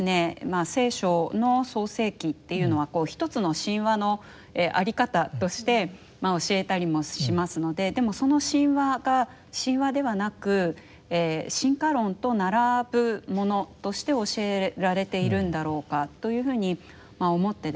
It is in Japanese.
「聖書」の創世記っていうのは一つの神話の在り方として教えたりもしますのででもその神話が神話ではなく進化論と並ぶものとして教えられているんだろうかというふうに思ってですね